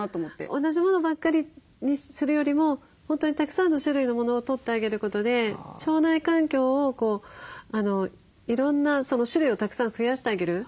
同じものばっかりにするよりも本当にたくさんの種類のものをとってあげることで腸内環境をいろんな種類をたくさん増やしてあげる。